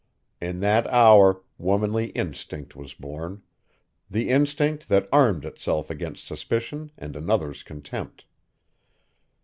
In that hour womanly instinct was born, the instinct that armed itself against suspicion and another's contempt.